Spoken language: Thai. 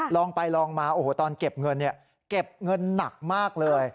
ลองไปลองมาโอ้โหตอนเก็บเงินเนี่ยเก็บเงินหนักมากเลย